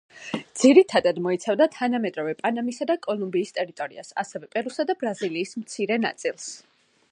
ძირითადად მოიცავდა თანამედროვე პანამისა და კოლუმბიის ტერიტორიას, ასევე პერუსა და ბრაზილიის მცირე ნაწილს.